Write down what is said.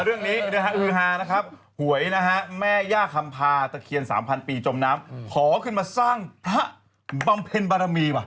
เรื่องนี้ฮือฮานะครับหวยนะฮะแม่ย่าคำพาตะเคียน๓๐๐ปีจมน้ำขอขึ้นมาสร้างพระบำเพ็ญบารมีว่ะ